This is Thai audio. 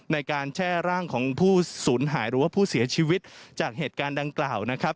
แช่ร่างของผู้สูญหายหรือว่าผู้เสียชีวิตจากเหตุการณ์ดังกล่าวนะครับ